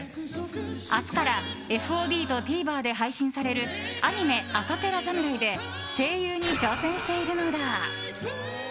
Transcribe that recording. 明日からＦＯＤとＴＶｅｒで配信されるアニメ「アカペラ侍」で声優に挑戦しているのだ。